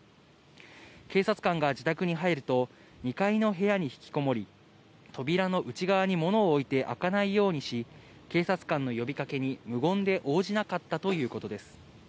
警察官が自宅に入ると、２階の部屋に引きこもり、扉の内側に物を置いて開かないように、警察官の呼びかけに無言で応じなかったということです。